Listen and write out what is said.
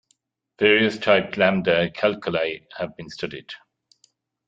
Various typed lambda calculi have been studied.